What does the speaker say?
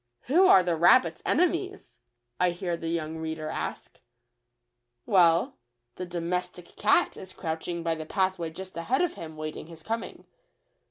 M Who are the rabbits' enemies ?" I hear the young reader ask. 24 THE LITTLE FORESTERS. Well, the domestic cat is crouching by the pathway just ahead of him waiting his coming.